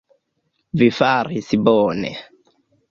Vi faris bone.